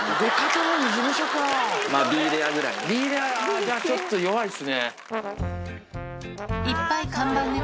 じゃあ、ちょっと弱いですね。